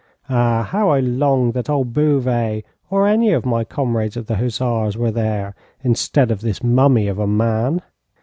Ah, how I longed that old Bouvet, or any of my comrades of the hussars, was there, instead of this mummy of a man.